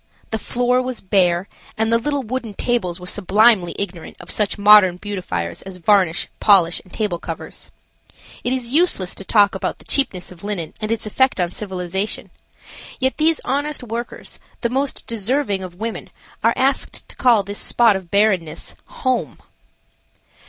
The floor was bare, and the little wooden tables were sublimely ignorant of such modern beautifiers as varnish, polish and table covers. It is useless to talk about the cheapness of linen and its effect on civilization. Yet these honest workers, the most deserving of women, are asked to call this spot of bareness–home.